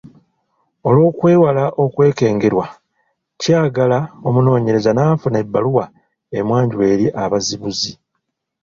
Olw’okwewala okwekengerwa, kyagala omunoonyereza n’afuna ebbaluwa emwanjula eri abazibuzi.